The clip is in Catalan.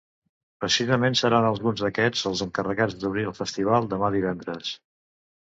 Precisament seran alguns d’aquests els encarregats d’obrir el festival demà divendres.